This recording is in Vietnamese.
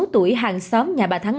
bảy mươi sáu tuổi hàng xóm nhà bà thắng